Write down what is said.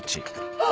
あっ！